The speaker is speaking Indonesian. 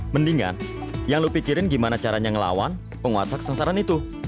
mendingan yang lu pikirin gimana caranya ngelawan penguasa kesengsaran itu